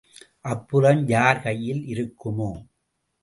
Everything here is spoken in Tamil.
அப்புறம் யார் கையில் இருக்குமோ!